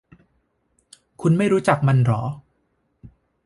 คุณไม่รู้จักมันหรอ